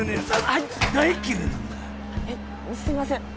はいすいません！